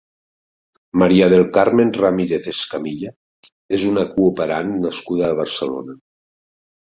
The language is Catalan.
María del Carmen Ramírez Escamilla és una cooperant nascuda a Barcelona.